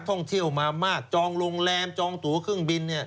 ท่องเที่ยวมามากจองโรงแรมจองตัวเครื่องบิน